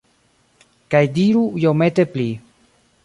Kaj diru iomete pli